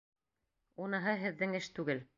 Уныһы һеҙҙең эш түгел.